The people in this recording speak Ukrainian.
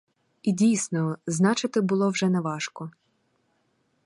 І дійсно, значити було вже неважко.